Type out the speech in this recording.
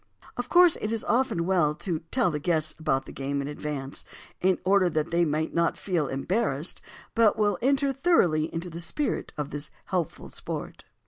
Of course it is often well to tell the guests about the game in advance in order that they may not feel embarrassed but will enter thoroughly into the spirit of this helpful sport.